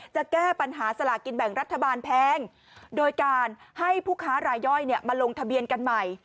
จะแก้ปัญหาสลากินแบ่งรัฐบาลแพงโดยการให้ผู้ค้ารายย่อยมาลงทะเบียนกันใหม่